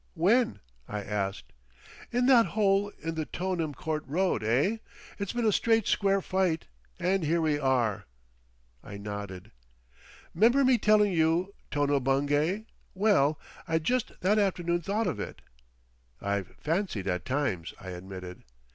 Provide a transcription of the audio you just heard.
—when?" I asked. "In that hole in the To'nem Court Road, eh? It's been a Straight Square Fight, and here we are!" I nodded. "'Member me telling you—Tono Bungay?.... Well.... I'd just that afternoon thought of it!" "I've fancied at times;" I admitted.